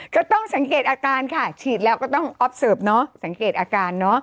ก็ต้องสังเกตอาการค่ะฉีดแล้วก็ต้องออฟเสิร์ฟเนอะสังเกตอาการเนอะ